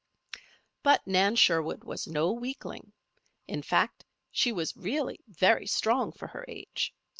But Nan Sherwood was no weakling. In fact, she was really very strong for her age.